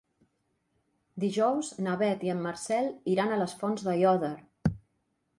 Dijous na Beth i en Marcel iran a les Fonts d'Aiòder.